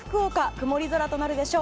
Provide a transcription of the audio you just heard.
曇り空となるでしょう。